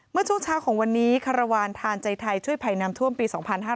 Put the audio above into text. เมื่อช่วงเช้าของวันนี้คารวาลทานใจไทยช่วยภัยน้ำท่วมปี๒๕๕๙